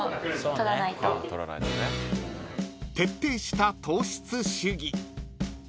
［徹底した糖質主義］